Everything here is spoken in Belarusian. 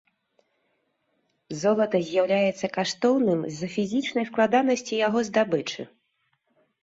Золата з'яўляецца каштоўным з-за фізічнай складанасці яго здабычы.